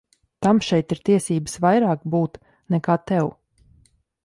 Tam šeit ir tiesības vairāk būt nekā tev.